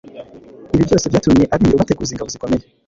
Ibi byose byatumye abiru bateguza ingabo zikomeye,